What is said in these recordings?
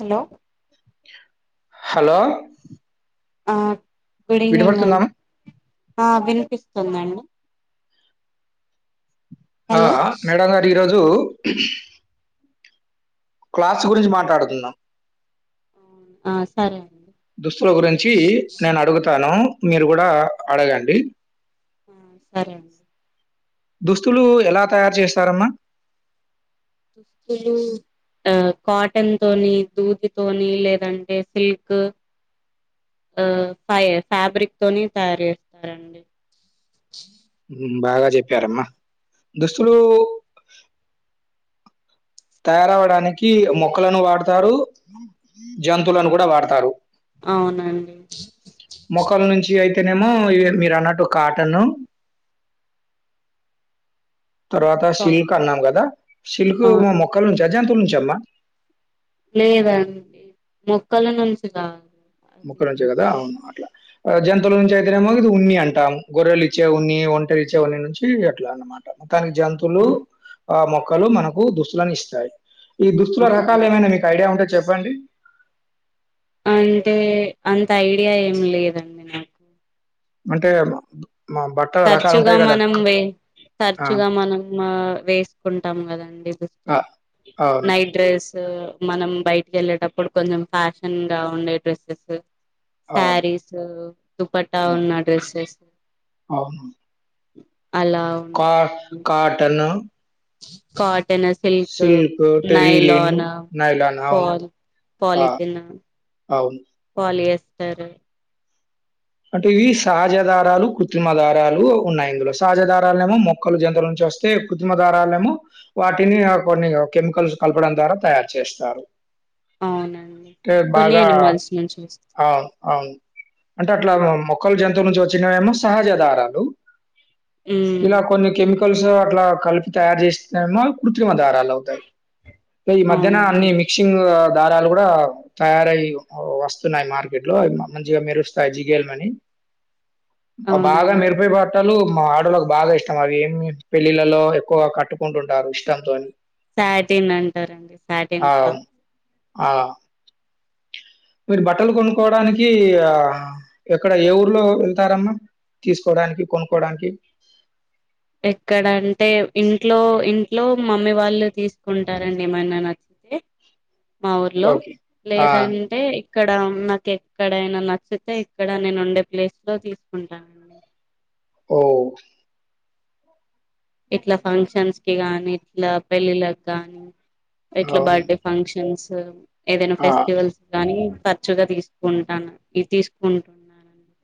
Hello hello ఆ good evening వినపడుతుందాం? అండి ఆ వినిపిస్తుందండి ఆ హలో మేడం గారు ఇ రోజ్ జు క్లాస్ గురించి మాట్లాడుకున్నాం ఆ సరే అండి దుస్తుల గురించి నేను అడుగుతాను మీరు కూడా అడగండి ఆ సరే అండి దుస్తులు ఎలా తయారు చేస్తారమ్మా దుస్తులు ఆ కాటన్ తోని దూదితోని లేదంటే సిల్క్ ఆ ఫ ఫ్యాబ్రిక్ తోని తయారు చేస్తారండి మ్ బాగా చెప్పారమ్మా దుస్తులు తయారవడానికి మొక్కలను వాడతారు జంతువులను కూడా వాడతారు అవునండి మొక్కల నుంచి అయితేనేమో ఇ మీరు అన్నట్టు కాటన్ తర్వాత కా సిల్క్ అన్నాం కదా సిల్క్ మా అవును మొక్కల నుంచి అజంతుల నుంచి చెమ లేదండి మొక్కల నుంచి కాదు అది మొక్కల నుంచే కదా అవును అట్లా జంతువుల నుంచి అయితేనేమో ఇది ఉన్ని అంటాం గొర్రెలు ఇచ్చే ఉన్ని ఒంటలు ఇచ్చే ఉన్ని నుంచి ఎట్లా అన్నమాట కాని జంతువులు ఆ ఆ మొక్కలు మనకు దుస్తులలను ఇస్తాయి ఈ దుస్తుల రకాలు అవునండి ఏమైనా మీకు ఐడియా ఉంటే చెప్పండి అంటే అంత ఐడియా ఏమి లేదండి నాకు అంటే మ బట్టల రకాలు తరచుగా ఉంటాయి గదా! క మనంే ఆ! తరచుగా మనం వేసుకుంటాం కదండి ఆ! దుస్తులు అవును. నైట్ డ్రెస్ మనం బయటికి వెళ్ళేటప్పుడు కొంచెం ఫ్యాషన్ గా ఉండే డ్రెస్సెస్ అవును. శారీస్ దుపటా అవును. ఉన్న డ్రెస్సెస్ స [inaudible] అవును కా కటన్ కా న సిల్క్ టెరిలిన్, నైలన్ నైలాన్ ప అవును. ఆ! పలిథన్ అవును వాళ చేస్తారు అంటే ఇవి సహజ దారాలు కృత్రిమ దారాలు ఉన్నాయి ఇందులో సహజ దారాలనేమో మొక్కలు జంతుల నుంచి వస్తే కృత్రిమ దారాలనేమో వాటిని కొన్ని కెమికల్స్ కలపడం ద్వారా తయారు చేస్తారు అవునండి కొన్ని బాగా అనిమల్స్ నుంచి వస్తాయి అవును అవును అట్లా మొక్కలు జంతువు నుంచి వచ్చినేమో సహజధారాలు ఉమ్, ఇలా కొన్ని కేమికల్ కలుసు అట్లా కలిపి తయారు చేస్త మా కృత్రిమ దారాలు అవుతాయి ఈ మధ్యహ్న అవునండి అన్ని మిక్సింగ్ దారాలు కూడా తయారై వస్తున్నాయి మార్కెట్ లో మంచిగా మెరు సైజిగల్ మని బాగా అవునండి మెరుపయ పట్టాలు మా ఆడలోకి బాగా ఇష్టం అవి ఏమి పెళ్ళిళ్ళలో ఎక్కువగా కట్టుకుంటుంటారు ఇష్టంతోని సాటిన్ అంటారండి ఆ! సాటిన్ క్లాత్ ఆ మీరు బట్టలు కొనుక్కోవడానికి ఆ ఎక్కడ ఏ ఊర్లో వెళ్తారమ్మా తీసుకోడానికి కొనుక్కడానికి ఎక్కడ అంటే ఇంట్లో ఇంట్లో మమ్మీ వాళ్ళు తీసుకుంటారండి ఏమనా నచ్చితే మా ఊర్లో ఓకే. ఆ! లేదంటే ఇక్కడ నాకు ఎక్కడైనా నచ్చితే ఇక్కడ నేను ఉండే ప్లేస్ లో తీసుకుంటానండి ఓ ఇట్లా ఫంక్షన్స్ కి గాని ఇట్లా పెళ్ళిళ్ళకి నీ ఎట్లా అవును. బర్త్డే ఫంక్షన్స్ స ఏదైనా ఆ! ఫెస్టివల్స్ కానీ కారచ్చుగా తీసుకుంటాను ఇది తీసుకుంటున్నానండి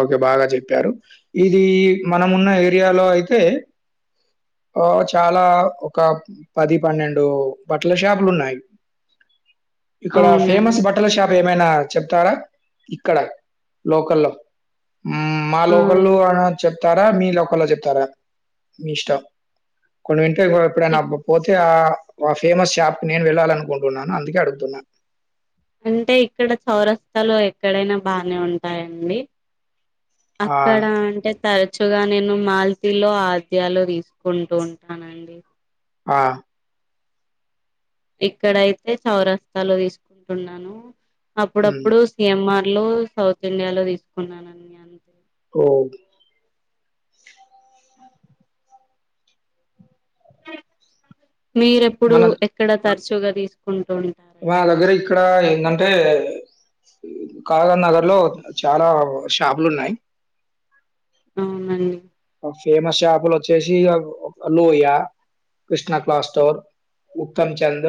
ఓకే బాగా చెప్పారు ఇది మనమున్న ఏరియాలో అయితే ఆ చాలా ఒక పది పన్నెండు బట్టల షాపులు ఉన్నాయి ఇక్కడ ఫేమస్ అవునండి బట్టల షాప్ ఏమైనా చెప్తారా ఇక్కడ లోకల్లో మా ఆ లోకల్ అ చెప్ చెప్తారా మీ లోక్కల్లో చెప్తారా మీ ఇష్టం కొండగట్టు ఎప్పుడైనా ఇక్ పోతే ఆ ఆ ఫేమస్ షాప్ కి నేను వెళ్ళాల అనుకుంటున్నాను అందుకే అడుగుతున్నాను అంటే ఇక్కడ చౌరస్తలు ఎక్కడైనా బాగానే ఉంటాయండి ఆ! అక్కడ అంటే తర తచ్చుగా నేను మాల్తీలో ఆద్యాలు తీసుకుంటూ ఉంటానండి ఆ ఇక్కడయితే సౌరస్తలో తిసుకుంటున్నాను హ్మ్. అప్పుడప్పుడు సిఎంఆర్ లో సౌత్ ఇండియాలో తీసుకున్నానం అంతే ఓ మీరెప్పుడు ఎక్కడ తరచ చుగా తీసుకుంట మా దగ్గర ఇక్కడ ఏంటంటే కాజ నగర్ లో చాలా షాపులు ఉన్నాయి అవునండి ఫేమస్ షాపులు వచ్చేసి లోహ య కృష్ణా క్లా స్టోర్ ఉత్తమ్ చంద్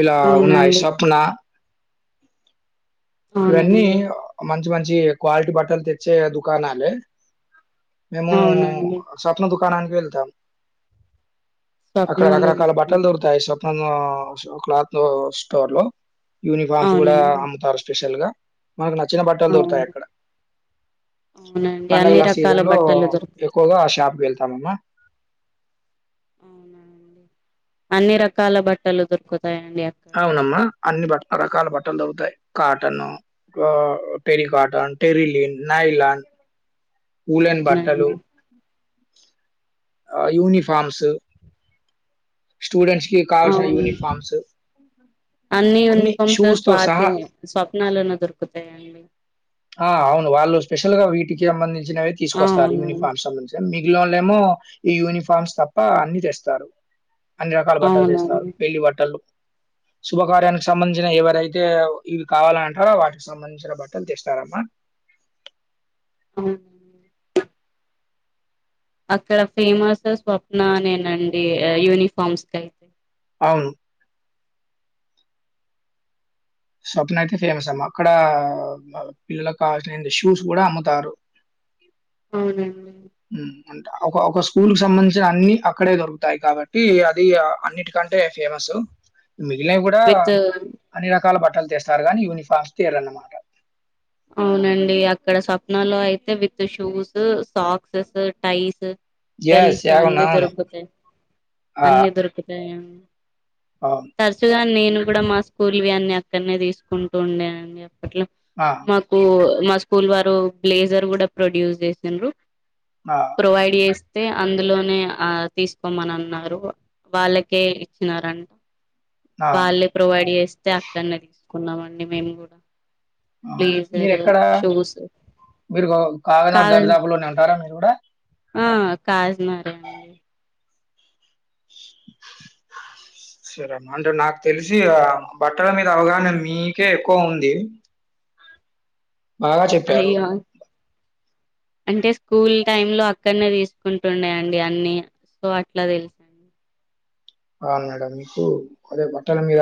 ఇలా ఉన్నాయి అవునండి సప్న ఇవన్నీ అవునండి మన మంచి కాలిటీ బటల్ తె దుకానాలె మేము అవునండి స్వప్న ద కనానికి వెళ్తాం అక్కడ స్వప్నాలో రకరాకాల బట్టలు తీసుకుంటా దొరుకుతాయి షాప్మున్ ఆ షాప్ క్లాతు స్టోర్ లో యూనిఫార్మ్స్ గుడా అవునండి అమ్ముతారు ష్ స్పెషల్ గా మాకు నచ్చిన బట్టలు అవును దొకుతాయక్కడ, అవునండి అన్ని పండగలా రకాల సీజన్ లో బట్టలు దొరుకుతాయి ఎక్కువగా షాప్కి వెళ్తాం అమ్మా. అవునా అండి అన్ని రకాల బట్టలు దొర్కొత్ అవునమ్మా అన్ని బట్ రకాల బట్ ట్టల్దొరుకుతయి. కాటన్, ఆ టెరికాటన్, టెరిలీన్, నయిలాన్. ఊలన్ బట్టలు అవునండి ఆ యూనిఫార్మ్స్ స్టూడెంట్స్ కి కావాల్సిన అవును యూనిఫామ్స్ అన్ని యూనిఫామ్స్ స్వాతి స్వప్నా లోనె దొరుకుతయ అండి? ఆ అవును వాళ్ళు స్పెషల్ గా వీటికి సంబంధించి జులైలొ తీసుకొస్తారు అవును యూనిఫామ్ సంబంధించి మీకు ఇల్లోలేమో ఈ యూనిఫామ్స్ తప్ప అన్ని తెస్తారు అన్ని రకాల బట్టలు తేస్తారు అవునండి పెళ్ళి బట్టలు శుభకార్యానికి సంబంధించిన ఎవరైతే ఇవి కావాలంటారో వాటికి సంబంధించిన బట్టలు తెస్ త్తారమ్మ అవునా అండి అక్కడ ఫేమస్ స్వప్న నేనండి, యూనిఫామ్స్ కయితే అవును స్వప్న అయితే ఫేమస్ అమ్మ, అక్కడా పిల్లలకు కావల్సినఏంది షూస్ గుడా అమ్ముతారు. అవునండి మ్ అంట ఒక ఒక స్కూల్ కి సంబంధించిన అన్ని అక్కడే దొరుకుతాయి కాబట్టి అది అన్నిటికంటే ఫేమస్. మిగిలినవి గూడా విత్ అన్ని రకాల బట్ బట్టలు తెస్తారు గాని యూనిఫామ్స్కి అదన్నమాట స్వప్న లో అయితే with shoes, socks, ties yes. Belts అవును. దాన్లనే అవును. దొరుకుతయి, ఆ! అన్ని దొరుకుతయండి. అవును. తర్చుగా నేను గూడ మా స్కూల్ వి అన్నీ అక్కన్నే తీసుకుంటూ ఉండే అండి అప్పట్లో. ఆ! మాకు మా స్కూల్ వారు బ్లేజర్ గూడ ప్రొడ్యూస్ జేసిండ్రు. ఆ! ప్రొవైడ్ చేస్ తే అందులోనే ఆ తీసుకోమనన్నారు వాళ్ళకే ఇచ్చినారంట. ఆ! వాళ్ళే ప్రొవైడ్ జేస్తే అక్కన్నే తీస్ కున్నామండి మేము గూడా ఆ మీరు ఎక్కడ మీరు ఒ కాగానగర్ కాదం దరిదాపులోనే ఉంటారా మీరు గూడా ఆ కాజి నగరేఅండి సరే అమ్మ అంటే నాకు తెలిసి ఆ బట్టల మీద అవగాహన మీకే ఎక్కువ ఉంది అయ్యె అంటే స్కూల్ టైమ్ లో అక్కన్నే తీసుకుంటుండే అండి అన్ని సో అట్లా తెలుస్ అవును మేడం మీకు కొద్దిగా బట్టల మీద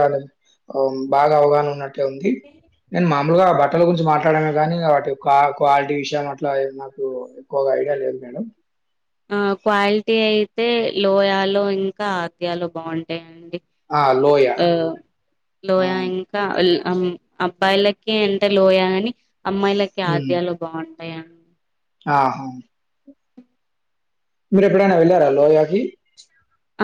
బాగా అవగాహన ఉన్నట్ ట్టు ఉంది నేను మామూలుగా బట్టల గురించి మాట్లాడ కానీ వాటి క్వా క్వాలిటీ విషయం అట్లా నాకు ఎక్కువగా ఐడియా లేదు మేడం ఆ క్వాలిటీ అయితే లోయాలో ఇంకా ఆద్యాలో బాగుంటయండి ఆ! లోయ. ఆ ఆ! లోయా ఇంకా ల్ అమ్ అబ్బాయిలకి అంటే లోయగాని అమ్మాయిలకి హ్మ్. ఆద్యాలో బాగు టా యండి ఆహా మీరు ఎప్పుడైనా వెళ్ళారా లోయాకి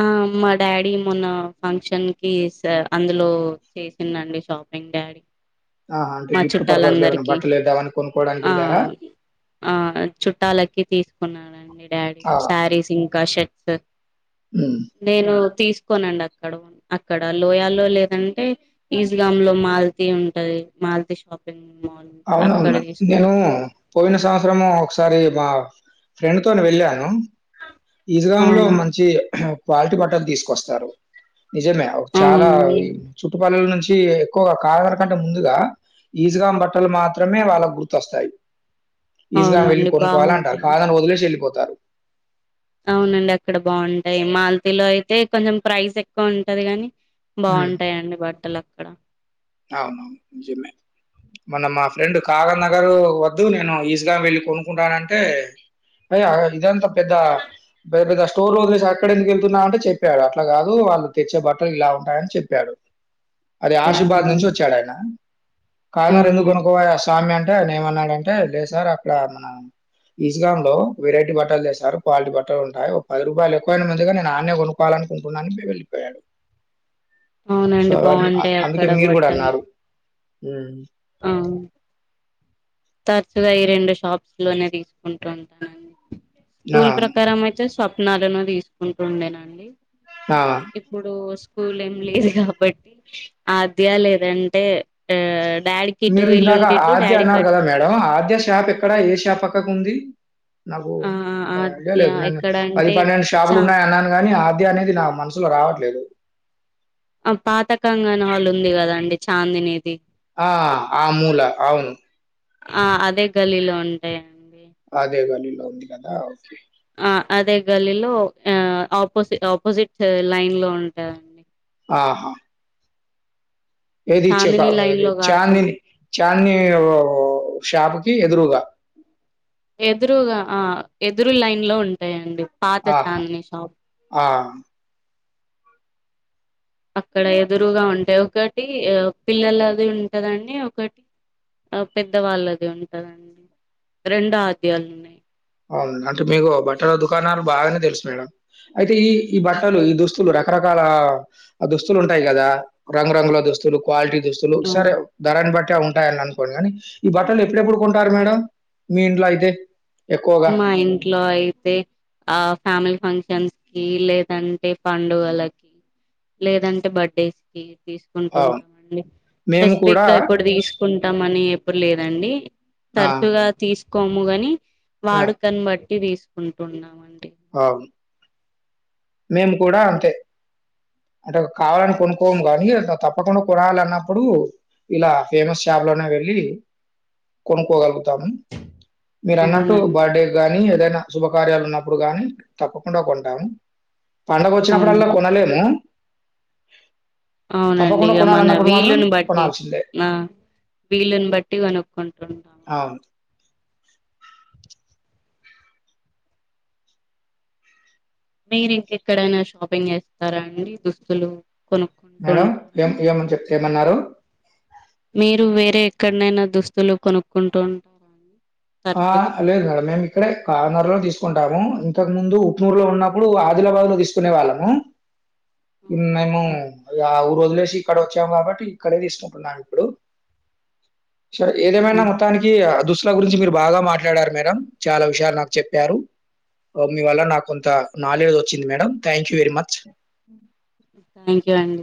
ఆ మా డాడీ మొన్న ఫంక్షన్ కి స అందులో చేసిండండి షాపింగ్ డాడీ ఆహా! అంటే మా గిఫ్ట్ పర్పస్‌లో ఏమైనా చుట్టాలందరికి బట్టలేద్దామని ఆ కొనుక్కోవడానికెళ్లారా? ఆ చుట్టాలకి తీసుకు కొన్నానండి డాడి ఆ! సారీస్ ఇంకా షట్ స హ్మ్. నేను తీసుకోనండి అక్కడ అక్కడ లోయా లో లేదంటే ఈస్గామ్ లో మల్తి ఉంటది మల్తి షాపింగ్ మాల్ ఉంటది అక్కడ అవునవును తీసుకో నేను పోయిన సంవత్సరము ఒకసా సారి మా ఫ్రెండ్తోని వెళ్ళాను ఈజ్గామ్ లో అవునా మంచి క్వాలిటీ బట్టల్ తీసుకొస్తారు నిజమే ఒ చాలా అవునండి ఈ చుట్టుపలల నుంచి కీ ఎక్కువగా కాగర్ కంటే ముందుగా ఈజ్గామ్ బ ట్టలు మాత్రమే వాళ్ళకు గుర్తొస్తాయి ఈజ్గామ్ వెళ్లి అవునండి కొనుక్కవాలంటారు బాగుంటాయి కావాలని వదిలేసి వెళ్ళిపో తారు అవునండి అక్కడ బాగుంటాయి మాల్తీలో అయితే కొంచెం ప్రైస్ ఎక్కువ ఉంటది గాని హ్మ్. బాగుంటాయండి బట్టలు అక్కడ అవునవును నిజమే మొన్న మా ఫ్రెండ్ కాగనగర్ వద్దు నేను ఈజ్గాం వెళ్ళి కొనుకుంటానంటే అ యా ఇదంతా పెద్ద పెద్దగా స్టోర్ వదిలేసి అక్కడ ఎందుకు వెళ్తున్నావ్ అంటే చెప్పాడు అట్లా కాదు వాళ్ళు తెచ్చే బట్టలు ఇలా ఉంటాయని చెప్పాడు అదే అవునా ఆశీభద్ కలిసే వచ్చాడా ఆయన ఆ కారనార్ ఎందుకు కొనుకోవయ్య స్వామి అంటే ఏమన్నాడంటే లేసార్ అక్కడ మన ఇషన్లో వెరైటీ బట్టలు లేసారు క్వాలిటీ బట్టలు ఉంటాయి పది రూపాయలు ఎక్కువైన ముందుగా నేను అన్ కొనుక్కోవాలనుకుంటున్నాని వెళ్ళిపోయాడు సో, అవునండి అవన్నీ అ బాగుంటాయి అక్క అందుకే మీరు కూడా అన్నారు హ ఆ తరచుగా ఈ రెండు షాప్స్ లోనే తీసుకుంటూ ఉంటానండి ఆ! కూల్ ప్రకారం అయితే స్వాప్ నలన తీసుకుంటుండేనండి ఆ! ఇప్పుడు స్కూల్ ఏం లేదు కాబట్టి అధ్య లేదంటే ఆ డాడీకి ఇటు మీరు ఇందాక ఇల్లుంటే ఇటు ఆద్య డాడీకి అన్నారు కదా అటు మేడం ఆద్య షాప్ ఎక్కడ ఏ షాప్ పకుఉంది నాకు ఆ ఇంత ఐడియా ఆద్య లేదు నేను ఎక్కడ పది అంటే పన్నెండు షాపులు చా ఉన్నాయి అన్నాను కాని [unintelligible] అనేది నా మనసులో రావట్లేదు ఆ పాత కంగాణవాళ్ళు ఉంది కదాండి చాందినిది ఆ ఆ మూలా అవును ఆ అదే గల్లీలో ఉంటాయండి అదే గల్లిల్లో ఉంది [unintelligible] ద ఒకే ఆ అదే గల్లీ లో ఆ ఆపోజి ఆపోజిట్ లైన్ లో ఉంటాాదండి ఆహా ఏది ఇచ్చ కా చాందిని లైన్ అది లో కాకు చాందిని చాందిని షాప్ కి ఎదురుగా ఎదురుగా ఆ ఎదురు లైన్ లో ఉంటాయండి పాత ఆహా చాందిని షాప్ ఆ అక్కడ ఎదురుగా ఉంటాయి ఒకటి పిల్లలది ఉంటదండి ఒకటి ఆ పెద్దవాళ్ళది ఉంటదండి రెండు ఆద్యాలు ఉన్నాయి అవును అంటే మీకు బట్టల దుకాణాలు బాగానే తెలుసు మేడం అయితే ఈ బట్టలు ఈ దుస్తు స్తులు రకరకాల దుస్తులు ఉంటాయి కదా రంగురంగుల దుస్తులు క్వాలిటీ స్తులు ఆ, సర్ ధరలు బట్టి ఉంటాయని అనుకోని కానీ ఈ బట్టలు ఎప్పుడపుడూ కొ [unintelligible] మేడం మీ ఇంట్లో అయితే ఎక్కువగా? మా ఇంటి లో అయితే ఆ ఫ్యామిలీ ఫంక్షన్స్ కి లేదంటే పండుగలకి లేదంటే బర్త్డేస్ కి అవును. తీసుకుంటుంటాంండి మేము స్పెసిఫిక్ కూడా గా ఇప్పుడు తీసుకుంటాంమని ఎప్పుడు లేదండి ఆ! తరచుగా తీసు కోముగాని వాడు కనబట్డి తీసుకుంటున్నామండి ఆ మేము కూడా అంతే అద కావాల అని కొనుకోం కానీ తప్ప తప్పకుండా కొనాలి అన్నప్పుడు ఇలా ఫేమస్ షాప్ లోనే వెళ్ళి కొనుక్కోగలుగుత మీరు అన్నట్టు అవునండి బర్త్డే కానీ ఏదైనా శుభకార్యాలు ఉన్నప్పుడు గాని తప్పకుండా కొంటాము పండుగ వచ్చినప్పుడల్లా అవును కొనలేము అవునండి తప్పకుండా ఇక మన కొనాలన్నప్పుడు మాత్రం వీలుని బట్టి కొనాల్సిందే. ఆ వీలుని బట్టి కనుక్కుంటా అవును మీరు ఇంకా ఎక్కడైనా షాపింగ్ చేస్తారా అండి దుస్తులు కొనుక్కుంటూ మేడం ఉంటారా ఏం [unintelligible] ఏమన్నారు మీరు వేరే ఎక్కడనైనా దుస్తులు కొనుక్కుంటు ఉంటారా అండి ఆ తరచుగా లేదు మేడం మేము ఇక్కడే కార్నర్ లో తీసుకుంటాము ఇంతకు ముందు [unintelligible] లో ఉన్నప్పుడు ఆదిలాబాద్ లో తీసుకునే వాళ్ళము మేము అవునండి [unintelligible] వదిలేసి ఇక్కడ వచ్చాం కాబట్టి ఇక్కడే తీసుకుంటున్నాను ఇప్పుడు సరే ఏదేమైనా అవునండి మొత్తానికి దు [unintelligible] గురించి మీరు బాగా మాట్లాడారు మేడం చాలా విషయాలు నాకు చెప్పారు మీ వల్ల నాకు కొంత నాలెడ్జ్ వచ్చింది madam thank you very much thank you అండి